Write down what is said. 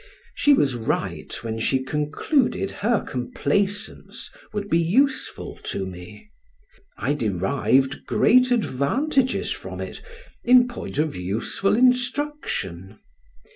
She was right when she concluded her complaisance would be useful to me; I derived great advantages from it in point of useful instruction.